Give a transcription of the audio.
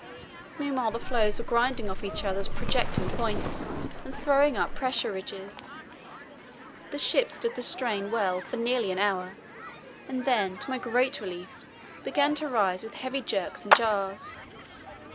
Meanwhile the floes were grinding off each other's projecting points and throwing up pressure ridges. The ship stood the strain well for nearly an hour and then, to my great relief, began to rise with heavy jerks and jars.